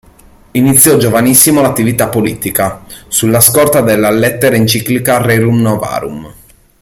Iniziò giovanissimo l'attività politica, sulla scorta della Lettera Enciclica Rerum Novarum.